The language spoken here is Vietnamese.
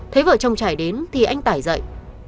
thấy vợ chồng trải đến thì anh tải dậy